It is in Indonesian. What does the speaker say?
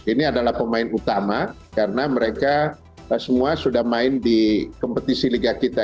ini adalah pemain utama karena mereka semua sudah main di kompetisi liga kita